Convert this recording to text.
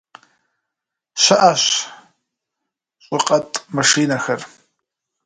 Щыӏэщ щӏыкъэтӏ машинэхэр.